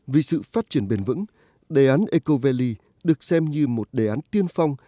vì sự phát triển bền vững đề án eco valley được xem như một đề án tiên phong